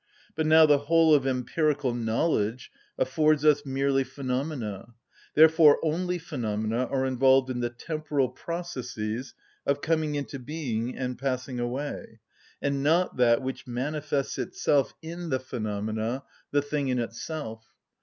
But now the whole of empirical knowledge affords us merely phenomena; therefore only phenomena are involved in the temporal processes of coming into being and passing away, and not that which manifests itself in the phenomena, the thing in itself.